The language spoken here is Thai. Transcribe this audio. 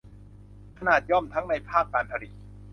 ขนาดย่อมทั้งในภาคการผลิต